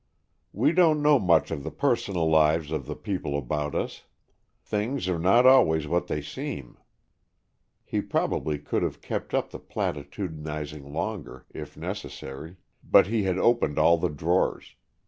"We don't know much of the personal lives of the people about us. Things are not always what they seem." He probably could have kept up the platitudinizing longer if necessary, but he had opened all the drawers.